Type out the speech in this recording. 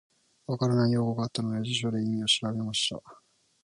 分からない用語があったので、辞書で意味を調べました。